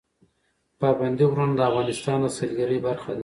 پابندی غرونه د افغانستان د سیلګرۍ برخه ده.